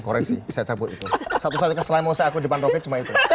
koreksi saya cabut itu satu satunya selain mau saya aku di depan roket cuma itu